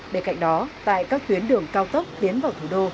bên cạnh đó tại các tuyến đường cao tốc tiến vào thủ đô